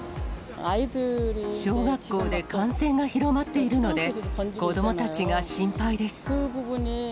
小学校で感染が広まっているので、子どもたちが心配です。